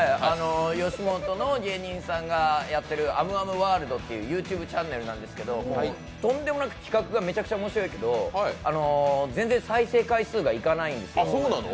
吉本の芸人さんがやってるあむあむＷＯＲＬＤってＹｏｕＴｕｂｅチャンネルなんですけどとんでもなく企画がめちゃくちゃ面白いけど全然、再生回数がいかないんですよ。